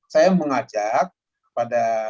saya mengajak pada